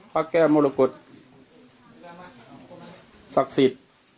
พระแก้วมรกฏศักดิ์สิทธิ์